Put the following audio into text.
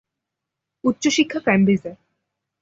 উচ্চ শিক্ষা কেমব্রিজে।